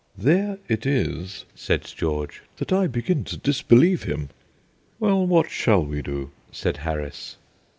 "There it is," said George, "that I begin to disbelieve him." "Well, what shall we do?" said Harris.